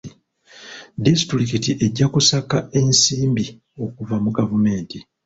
Disitulikiti ejja kusaka ensimbi okuva mu gavumenti.